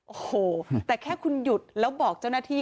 โอ้โหแต่แค่คุณหยุดแล้วบอกเจ้าหน้าที่